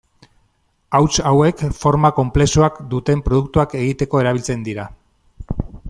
Hauts hauek forma konplexuak duten produktuak egiteko erabiltzen dira.